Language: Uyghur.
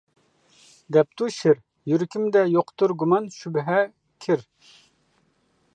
-دەپتۇ شىر، -يۈرىكىمدە يوقتۇر گۇمان، شۈبھە، كىر!